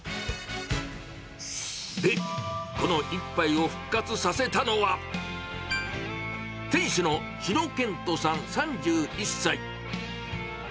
で、この一杯を復活させたのは、店主の篠研人さん３１歳。